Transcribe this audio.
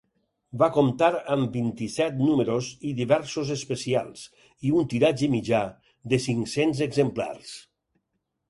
Va comptar amb vint-i-set números i diversos especials, i un tiratge mitjà de cinc-cents exemplars.